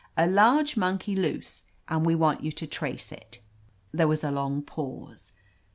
A large monkey loose, and we want you to trace it." There was a long pause.